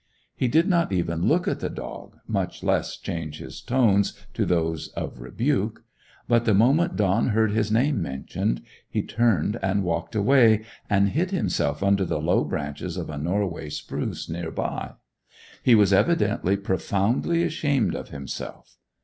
He did not even look at the dog, much less change his tones to those of rebuke. But the moment Don heard his name mentioned, he turned and walked away, and hid himself under the low branches of a Norway spruce near by. He was evidently profoundly ashamed of himself.